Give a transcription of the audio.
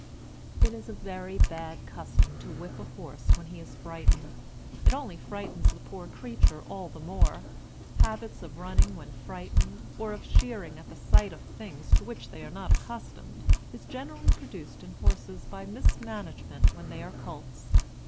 It is a very bad custom to whip a horse when he is frightened. It only frightens the poor creature all the more. Habits of running when frightened, or of sheering at the sight of things to which they are not accustomed, is generally produced in horses by mismanagement when they are colts.